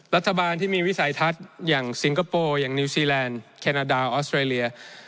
รัฐบาลที่มีวิสัยทัศน์อย่างสิงคโปร์อย่างนิวซีแลนด์แคนาดาออสเตรเลีย